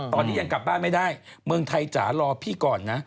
ตอนนี้ยังกลับบ้านไม่ได้เมืองไทยจ๋ารอพี่ก่อนนะ